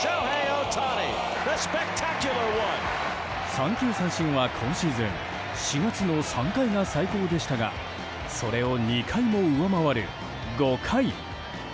三球三振は今シーズン４月の３回が最高でしたがそれを２回も上回る５回。